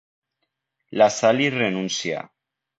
La Sal hi renuncia.